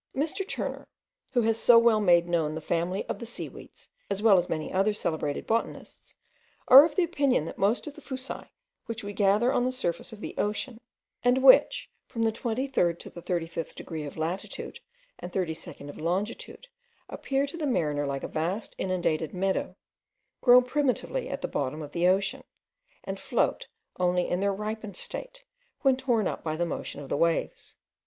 Mr. Turner, who has so well made known the family of the seaweeds, as well as many other celebrated botanists, are of opinion that most of the fuci which we gather on the surface of the ocean, and which, from the 23rd to the 35th degree of latitude and 32nd of longitude, appear to the mariner like a vast inundated meadow, grow primitively at the bottom of the ocean, and float only in their ripened state, when torn up by the motion of the waves.